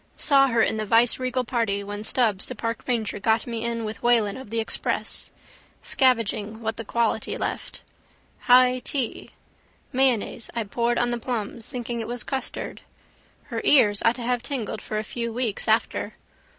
Saw her in the viceregal party when Stubbs the park ranger got me in with Whelan of the Express. Scavenging what the quality left. High tea. Mayonnaise I poured on the plums thinking it was custard. Her ears ought to have tingled for a few weeks after.